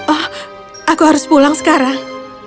oh aku harus pulang sekarang